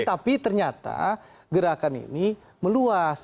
tapi ternyata gerakan ini meluas